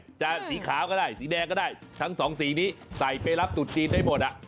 สีแดงสีขาวก็ได้สีแดงก็ได้ทั้ง๒สีนี้ใส่ไปรับตุ๊ดจีนได้หมด